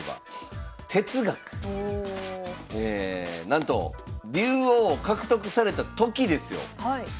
なんと竜王を獲得された時ですよ